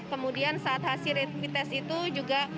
kemudian saat hasil rapid test itu juga